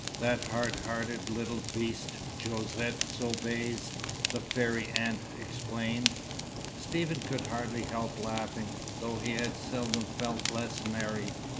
"That hard hearted little beast, Josette Soubise," the fairy aunt explained. Stephen could hardly help laughing, though he had seldom felt less merry.